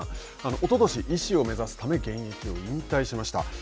おととし、医師を目指すため、現役を引退しました。